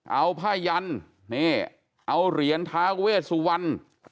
เอาผ้ายันนี่เอาเหรียญท้าเวสวรรณ